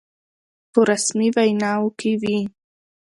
په رسمي ویناوو کې وي.